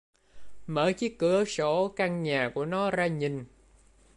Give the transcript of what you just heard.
Mở chiếc cửa sổ căn nhà của nó ra nhìn